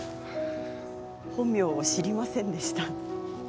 本名、知りませんでした。